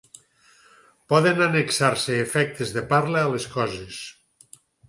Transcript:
Poden annexar-se efectes de parla a les Coses.